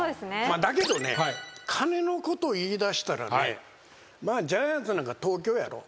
だけどね金のこと言いだしたらねジャイアンツなんか東京やろ。